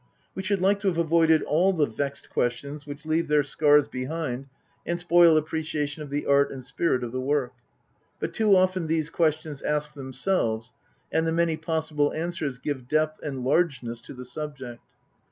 We should like to have avoided all the vexed questions which leave their scars behind and spoil appre ciation of the art and spirit of the work ; but too often these questions ask themselves, and the many possible answers give depth and large ness to the subject.